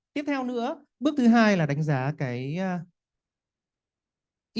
tiếp theo nữa bước thứ hai là đánh giá cái